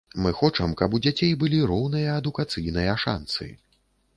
Мы хочам, каб у дзяцей былі роўныя адукацыйныя шанцы.